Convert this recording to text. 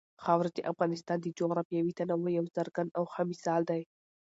خاوره د افغانستان د جغرافیوي تنوع یو څرګند او ښه مثال دی.